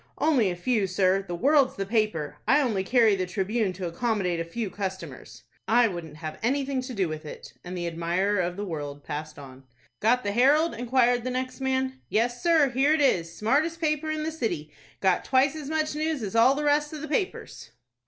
"Only a few, sir. The 'World''s the paper! I only carry the 'Tribune' to accommodate a few customers." "I wouldn't have anything to do with it." And the admirer of the "World" passed on. "Got the 'Herald'?" inquired the next man. "Yes, sir, here it is. Smartest paper in the city! Got twice as much news as all the rest of the papers."